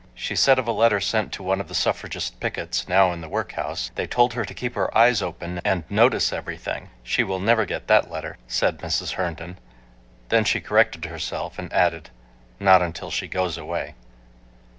She said of a letter sent to one of the suffragist pickets now in the workhouse, "They told her to keep her eyes open and notice everything. She will never get that letter," said Mrs. Herndon. ,Then she corrected herself, and added, "Not until she goes away."